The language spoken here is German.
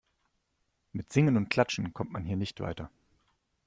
Mit Singen und Klatschen kommt man hier nicht weiter.